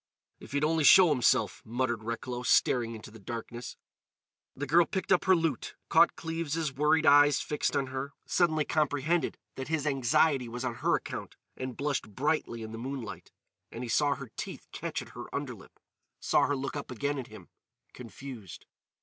"If he'd only show himself," muttered Recklow, staring into the darkness. The girl picked up her lute, caught Cleves' worried eyes fixed on her, suddenly comprehended that his anxiety was on her account, and blushed brightly in the moonlight. And he saw her teeth catch at her underlip; saw her look up again at him, confused.